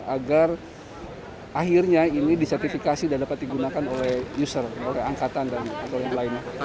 agar akhirnya ini disertifikasi dan dapat digunakan oleh user oleh angkatan dan lain lain